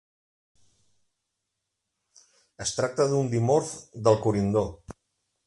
Es tracta d'un dimorf del corindó.